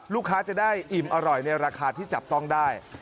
ลูกค้าจะได้อิ่มอร่อยในราคาที่จับต้องได้